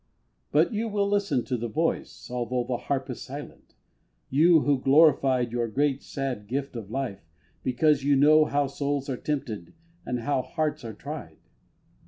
But you will listen to the voice, although The harp is silent you who glorified Your great, sad gift of life, because you know How souls are tempted and how hearts are tried.